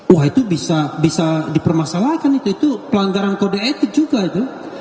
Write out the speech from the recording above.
wah itu bisa dipermasalahkan itu itu pelanggaran kode etik juga itu